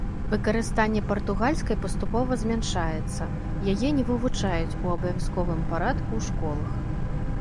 Выкарыстанне партугальскай паступова змяншаецца, яе не вывучаюць у абавязковым парадку ў школах.